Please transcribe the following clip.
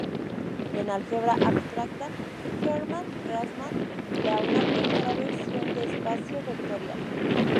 En álgebra abstracta, Hermann Grassmann da una primera versión de espacio vectorial.